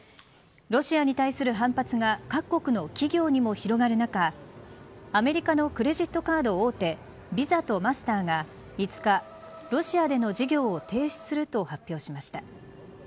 ロシアに対する反発が各国の企業にも広がる中アメリカのクレジットカード大手ＶＩＳＡとマスターが５日ロシアでの事業を停止すると発表しました。